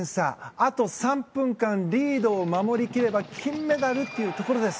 あと３分間リードを守り切れば金メダルというところです。